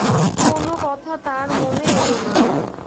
কোনো কথা তার মনে এলো না।